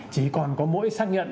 chỉ còn có mỗi xác nhận